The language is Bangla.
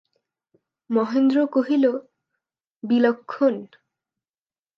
মহেন্দ্র কহিল, বিলক্ষণ।